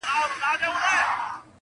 o درد په حافظه کي پاتې کيږي,